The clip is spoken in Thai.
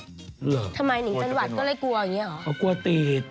เหรอทำไมหนิจนหวัดก็เลยกลัวอย่างนี้เหรอ